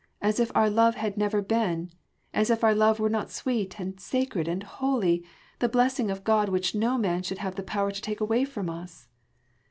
as if our love had never been, as if our love were not sweet and sacred and holy, the blessing of God which no man should have the power to take away from us!"